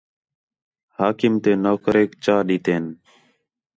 حاکم تے نوکریک چا ݙِتّے ہَن